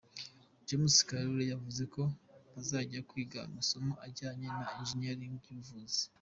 James Kabarebe yavuze ko bazajya kwiga amasomo ajyanye na Engineering n’ubuvuzi.